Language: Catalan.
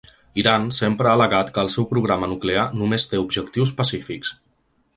Iran sempre ha al·legat que el seu programa nuclear només té objectius pacífics.